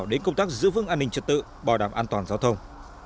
đến công tác giữ vững an ninh trật tự bảo đảm an toàn giao thông